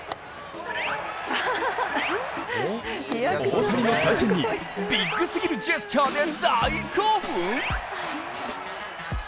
大谷の三振にビッグすぎるジェスチャーで大興奮。